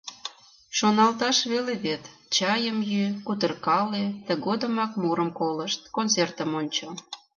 Шоналташ веле вет, чайым йӱ, кутыркале, тыгодымак мурым колышт, концертым ончо.